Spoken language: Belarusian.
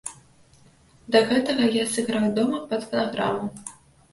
Да гэтага я сыграў дома пад фанаграму.